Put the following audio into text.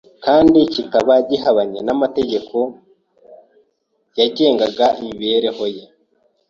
kandi kikaba gihabanye n'amategeko yagengaga imibereho ye.